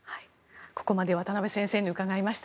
ここまで渡邊先生に伺いました。